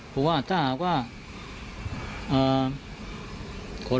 เพราะว่าถ้าหากว่า